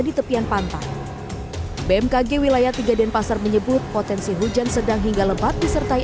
di tepian pantai bmkg wilayah tiga dn pasar menyebut potensi hujan sedang hingga lebat di sepanjang kawasan